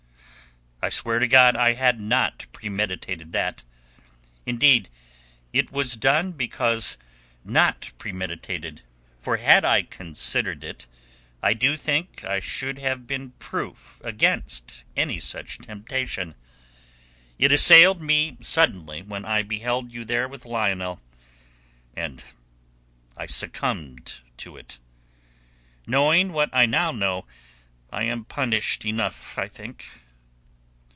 "I swear to God I had not premeditated that. Indeed, it was done because not premeditated, for had I considered it, I do think I should have been proof against any such temptation. It assailed me suddenly when I beheld you there with Lionel, and I succumbed to it. Knowing what I now know I am punished enough, I think."